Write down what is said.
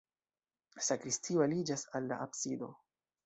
Sakristio aliĝas al la absido.